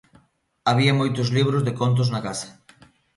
Había moitos libros de contos na casa.